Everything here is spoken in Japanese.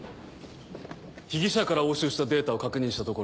被疑者から押収したデータを確認したところ。